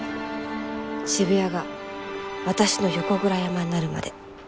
渋谷が私の横倉山になるまで。